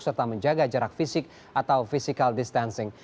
serta menjaga jarak fisik atau physical distancing